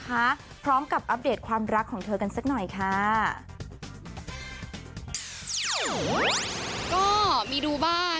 เขาก็เข้าใจว่าเป็นเรื่องงาน